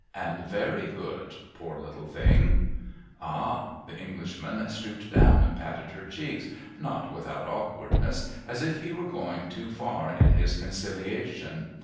' And very good. Poor little thing !'' Hah !' The Englishman stooped down and patted her cheek, not without awkwardness, as if he were going too far in his conciliation.